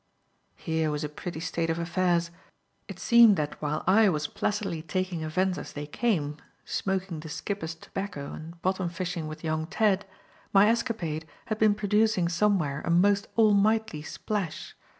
Here was a pretty state of affairs: It seemed that while I was placidly taking events as they came; smoking the skipper's tobacco and bottom fishing with young Ted; my escapade had been producing somewhere a most almighty splash.